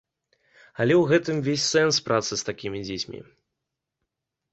Але ў гэтым увесь сэнс працы з такімі дзецьмі.